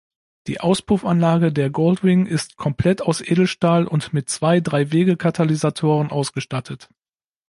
Die Auspuffanlage der Gold Wing ist komplett aus Edelstahl und mit zwei Dreiwege-Katalysatoren ausgestattet.